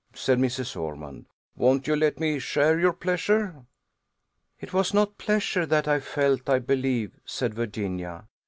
said Mrs. Ormond. "Won't you let me share your pleasure?" "It was not pleasure that I felt, I believe," said Virginia.